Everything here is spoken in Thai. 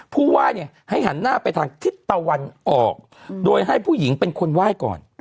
ผู้ไหว้เนี่ยให้หันหน้าไปทางทิศตะวันออกโดยให้ผู้หญิงเป็นคนไหว้ก่อน